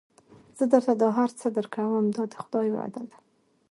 زه درته دا هر څه درکوم دا د خدای وعده ده.